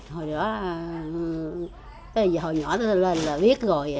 hồi nhỏ tôi lên là viết rồi